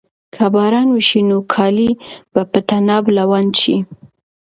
که باران وشي نو کالي به په طناب لوند شي.